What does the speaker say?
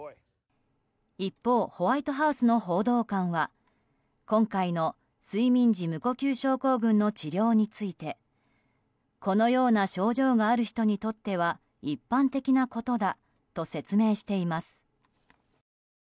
一方、ホワイトハウスの報道官は今回の睡眠時無呼吸症候群の治療についてこのような症状がある人にとっては一般的なことだと説明しています。